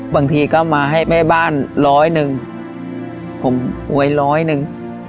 บางทีก็มาให้แม่บ้านร้อยหนึ่งผมหวยร้อยหนึ่ง